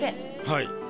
はい。